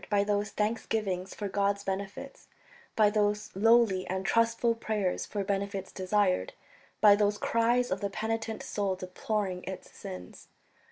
. by those thanksgivings for God's benefits, by those lowly and trustful prayers for benefits desired, by those cries of the penitent soul deploring its sins?